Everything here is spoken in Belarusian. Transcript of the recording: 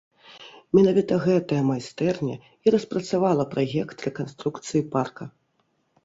Менавіта гэтая майстэрня і распрацавала праект рэканструкцыі парка.